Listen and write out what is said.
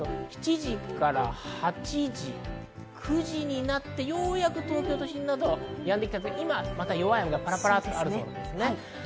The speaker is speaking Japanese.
７時から８時、９時になってようやく東京都心などはやんできたんですが、今まだ弱い雨がパラパラ降っています。